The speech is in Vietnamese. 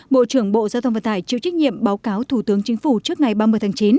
bộ trưởng bộ giao thông vận tải chịu trách nhiệm báo cáo thủ tướng chính phủ trước ngày ba mươi tháng chín